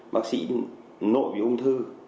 bác sĩ nội về ung thư